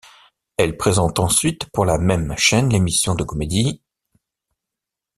Elle présente ensuite pour la même chaîne l'émission de comédie '.